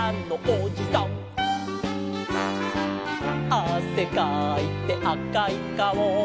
「あせかいてあかいかお」